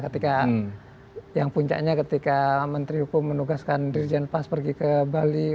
ketika yang puncaknya ketika menteri hukum menugaskan dirijen pas pergi ke bali